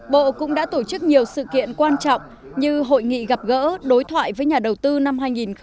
bộ cũng đã tổ chức nhiều sự kiện quan trọng như hội nghị gặp gỡ đối thoại với nhà đầu tư năm hai nghìn một mươi chín